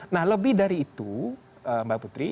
nah lebih dari itu mbak putri